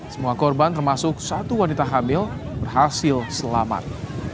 semua korban termasuk satu wanita hamil berhasil selamat